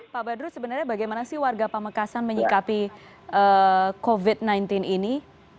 pak badru sebenarnya bagaimana sih warga pamekasan menyikapi covid sembilan belas ini